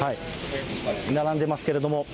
並んでいますけれども。